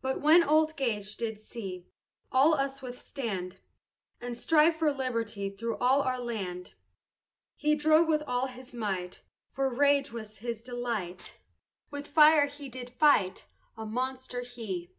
But when old Gage did see All us withstand, And strive for liberty Through all our land, He strove with all his might, For rage was his delight, With fire he did fight, A monster he.